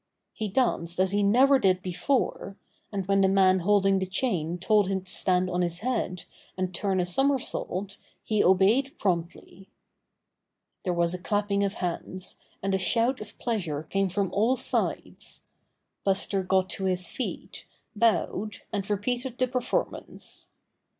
He danced as he Buster's Cruel Masters 51 never did before, and when the man holding the chain told him to stand on his head and turn a somersault he obeyed promptly. There was a clapping of hands, and a shout of pleasure came from all sides. Buster got to his feet, bowed, and repeated the perform ance.